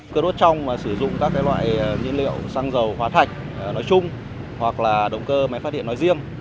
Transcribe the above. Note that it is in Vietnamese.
cơ đốt trong và sử dụng các loại nhiên liệu xăng dầu hóa thạch nói chung hoặc là động cơ máy phát điện nói riêng